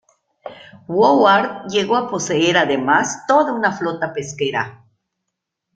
Woodward llegó a poseer, además, toda una flota pesquera.